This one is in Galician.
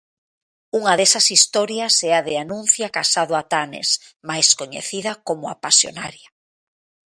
Unha desas historias é a de Anuncia Casado Atanes, máis coñecida como 'A Pasionaria'.